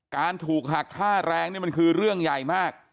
การถูกหักค่าแรงนี่มันคือเรื่องใหญ่มาก